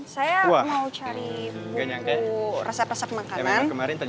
saya mau cari bumbu resep resep makanan